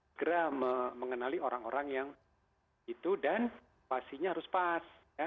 segera mengenali orang orang yang itu dan situasinya harus pas